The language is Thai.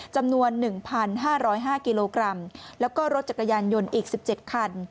จำนวน๑๕๐๕กิโลกรัมแล้วก็รถจักรยานยนต์อีก๑๗คัน